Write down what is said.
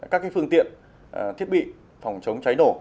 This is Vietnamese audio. các phương tiện thiết bị phòng chống cháy nổ